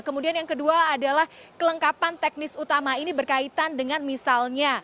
kemudian yang kedua adalah kelengkapan teknis utama ini berkaitan dengan misalnya